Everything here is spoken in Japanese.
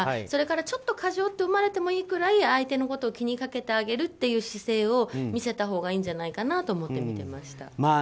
それから、ちょっと過剰と思われてもいいぐらい相手のことを気にかけてあげるという姿勢を見せたほうがいいんじゃないかなと思って見てました。